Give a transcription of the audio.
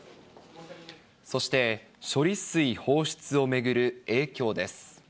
そして処理水放出を巡る影響